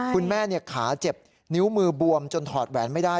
คุณแม่ขาเจ็บนิ้วมือบวมจนถอดแหวนไม่ได้